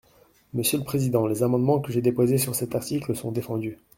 Monsieur le président, les amendements que j’ai déposés sur cet article sont défendus.